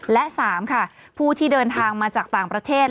และ๓ค่ะผู้ที่เดินทางมาจากต่างประเทศ